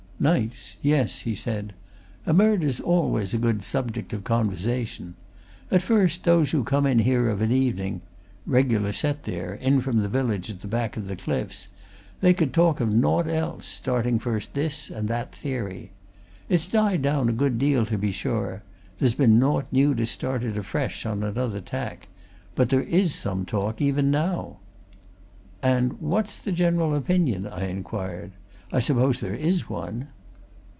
"Nights yes," he said. "A murder's always a good subject of conversation. At first, those who come in here of an evening regular set there, in from the village at the back of the cliffs they could talk of naught else, starting first this and that theory. It's died down a good deal, to be sure there's been naught new to start it afresh, on another tack but there is some talk, even now." "And what's the general opinion?" I inquired. "I suppose there is one?"